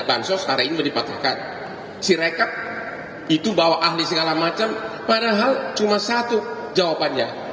bansos hari ini dipatuhkan si rekap itu bawa ahli segala macam padahal cuma satu jawabannya